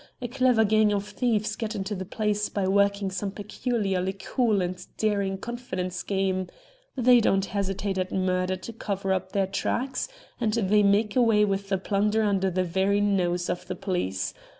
A clever gang of thieves get into the place by working some particularly cool and daring confidence game. They don't hesitate at murder to cover up their tracks, and they make away with the plunder under the very noses of the police.